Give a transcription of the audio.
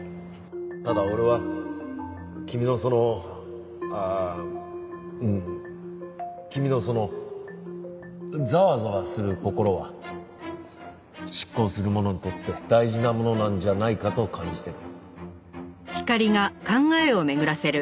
ただ俺は君のそのうん。君のそのざわざわする心は執行する者にとって大事なものなんじゃないかと感じてる。